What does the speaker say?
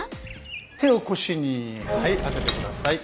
手を腰に当てて下さい。